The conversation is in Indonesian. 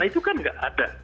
nah itu kan tidak ada